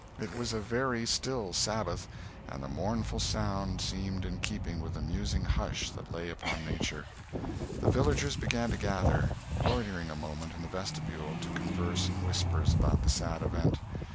It was a very still Sabbath, and the mournful sound seemed in keeping with the musing hush that lay upon nature. The villagers began to gather, loitering a moment in the vestibule to converse in whispers about the sad event.